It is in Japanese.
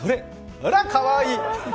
ほらかわいい。